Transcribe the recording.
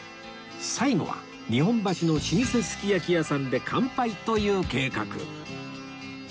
最後は日本橋の老舗すき焼き屋さんで乾杯という計画